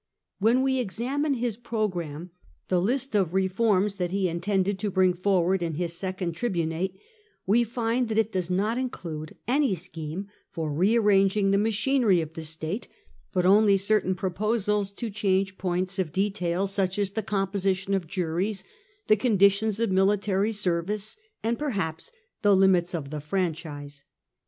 When we exa mine his programme — the list of reforms that he intended to bring forward in his second tribunate — we find that it does not include any scheme for rearranging the machinery of the state, but only certain proposals to change points of detail, such as the composition of juries, the conditions of military service, and (perhaps) the limits of the fran chise.